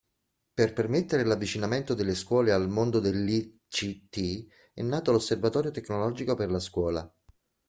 Per permettere l'avvicinamento delle scuole al mondo dell'ICT è nato l'"Osservatorio Tecnologico per la Scuola".